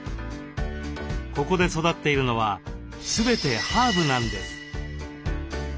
ここで育っているのは全てハーブなんです。